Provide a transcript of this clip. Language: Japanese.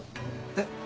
えっ？